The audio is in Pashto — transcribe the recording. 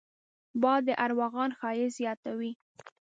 باد د ارغوان ښايست زیاتوي